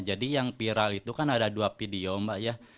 jadi yang viral itu kan ada dua video mbak ya